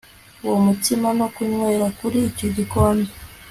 uwo mutsima no kunywera kuri icyo gikombe